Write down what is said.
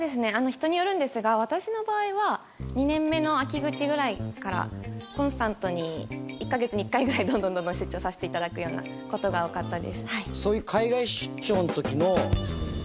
人によるんですが私の場合は２年目の秋口ぐらいからコンスタントに１カ月に１回ぐらいどんどんどんどん出張させて頂くような事が多かったです。